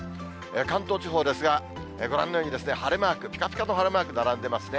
関東地方ですが、ご覧のように晴れマーク、ぴかぴかの晴れマーク並んでいますね。